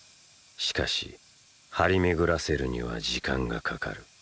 しかし張り巡らせるには時間がかかる。